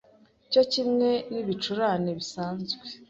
cyo kimwe n'ibicurane bisanzwe